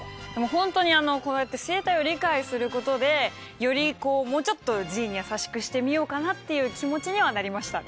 こうやって生態を理解することでよりこうもうちょっとＧに優しくしてみようかなっていう気持ちにはなりましたね。